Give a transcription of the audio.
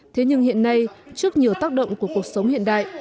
thế nhưng hiện nay trước nhiều tác động của cuộc sống hiện đại